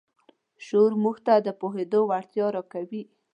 شعور موږ ته د پوهېدو وړتیا راکوي.